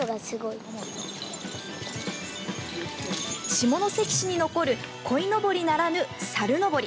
下関市に残るこいのぼりならぬ猿のぼり